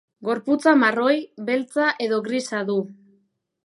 Gorputza marroi, beltza edo grisa du.